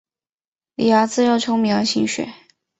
李鏊自幼聪明而勤学。